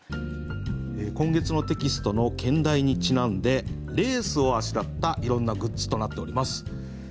今月のテキストの兼題にちなんでレースをあしらったいろんなグッズとなっております。